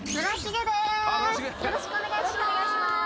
よろしくお願いします。